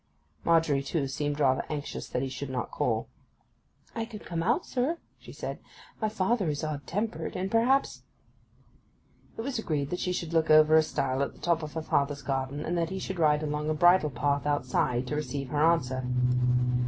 Margery, too, seemed rather anxious that he should not call. 'I could come out, sir,' she said. 'My father is odd tempered, and perhaps—' It was agreed that she should look over a stile at the top of her father's garden, and that he should ride along a bridle path outside, to receive her answer.